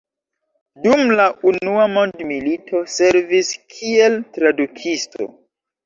Dum la Unua mondmilito servis kiel tradukisto.